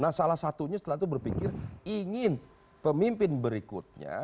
nah salah satunya selalu berpikir ingin pemimpin berikutnya